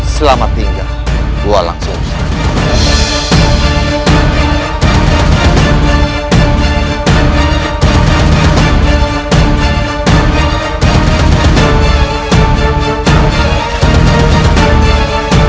selamat menikmati kematian